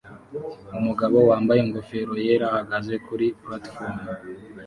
Umugabo wambaye ingofero yera ahagaze kuri platifomu